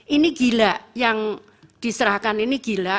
ini gila yang diserahkan ini gila